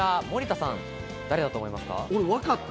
森田さん、誰だと思いますか？